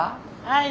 はい。